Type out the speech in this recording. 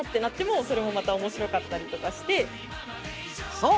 そう！